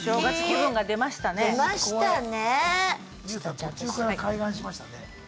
途中から開眼しましたね。